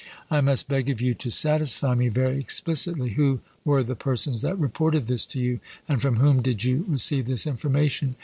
I must beg of you to satisfy me very explicitly who were the persons that reported this to you, and from whom did you receive this information?